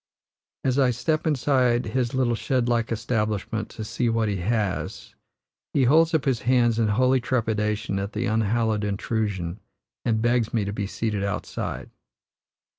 As I step inside his little shed like establishment to see what he has, he holds up his hands in holy trepidation at the unhallowed intrusion, and begs me to be seated outside.